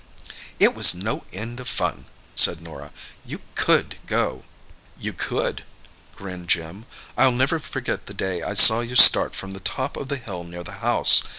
"It was no end of fun," said Norah. "You could go!" "You could," grinned Jim. "I'll never forget the day I saw you start from the top of the hill near the house.